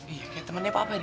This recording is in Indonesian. iya kayak temennya pak pa ini